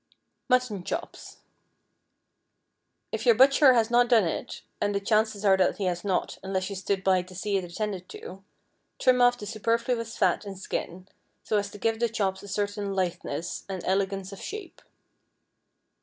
MUTTON CHOPS. If your butcher has not done it,—and the chances are that he has not, unless you stood by to see it attended to,—trim off the superfluous fat and skin, so as to give the chops a certain litheness and elegance of shape.